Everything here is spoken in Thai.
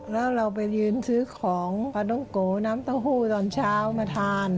แล้วเราไปยืนซื้อของพาน้องโกน้ำเต้าหู้ตอนเช้ามาทาน